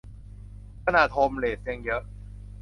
ขนาดโฮมเลสยังเยอะ